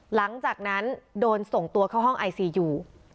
หลังจากนั้นโดนส่งตัวเข้าห้องไอซียู